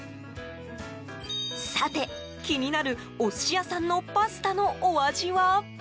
さて、気になるお寿司屋さんのパスタのお味は。